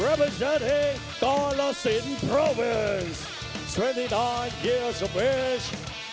เขาเป็นผู้หญิงของกาลาซินโปรเวนส์